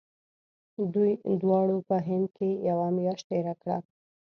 دوی دواړو په هند کې یوه میاشت تېره کړه.